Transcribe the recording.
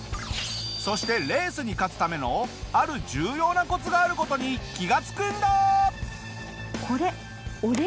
そしてレースに勝つためのある重要なコツがある事に気がつくんだ！